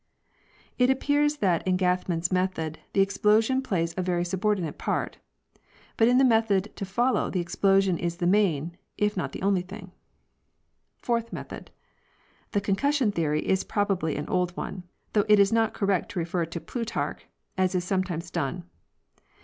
It appears that in Gathman's method the explosion plays a very subordinate part; but in the method to follow the explo sion is the main, if not the only thing. Fourth Method.—The concussion theory is probably an old one, though it is not correct to refer it to Plutarch, as is sometimes done.